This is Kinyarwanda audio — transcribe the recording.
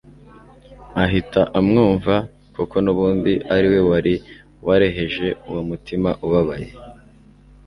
Ahita amwumva, kuko n'ubundi ari we wari wareheje uwo mutima ubabaye